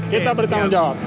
kita bertanggung jawab